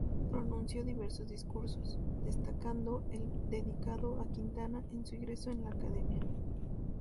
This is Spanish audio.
Pronunció diversos discursos, destacando el dedicado a Quintana en su ingreso en la Academia.